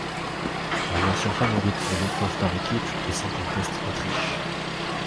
La nation favorite pour l'épreuve par équipes est sans conteste l'Autriche.